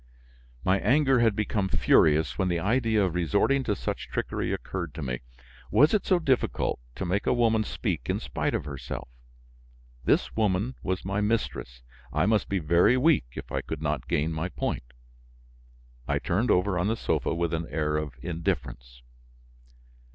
My anger had become furious when the idea of resorting to such trickery occurred to me. Was it so difficult to make a woman speak in spite of herself? This woman was my mistress; I must be very weak if I could not gain my point. I turned over on the sofa with an air of indifference.